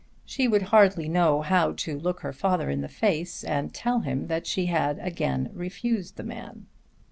She would hardly know how to look her father in the face and tell him that she had again refused the man.